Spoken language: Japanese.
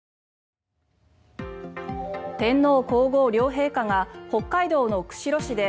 天皇・皇后両陛下が北海道の釧路市で